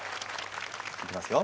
いきますよ。